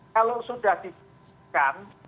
kalau sudah dibutuhkan